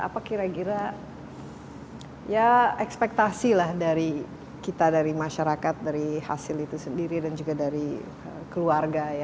apa kira kira ya ekspektasi lah dari kita dari masyarakat dari hasil itu sendiri dan juga dari keluarga ya